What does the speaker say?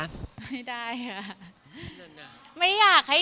ไม่ได้ค่ะ